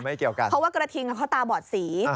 เพราะว่ากระทิงเขาตาบอดสี